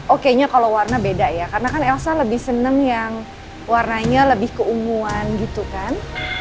oke nya kalau warna beda ya karena elsa kan lebih seneng yang warnanya lebih keunguan gitu kan